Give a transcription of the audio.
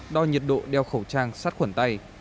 đo nhiệt độ đeo khẩu trang sát khuẩn tay